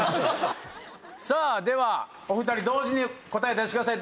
さあではお二人同時に答え出してください。